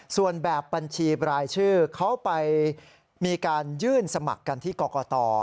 ส่วนแบบบัญชีบรายชื่อเขาไปมีการยื่นสมัครกันที่กรกต